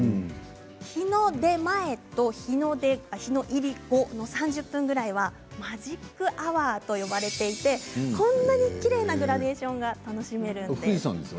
日の出前と日の入り後３０分ぐらいはマジックアワーと呼ばれていてこんなにきれいなグラデーションが楽しめるんです。